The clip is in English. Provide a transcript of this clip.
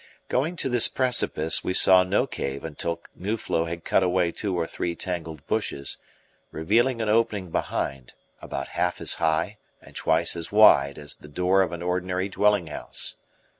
Going to this precipice, we saw no cave until Nuflo had cut away two or three tangled bushes, revealing an opening behind, about half as high and twice as wide as the door of an ordinary dwelling house.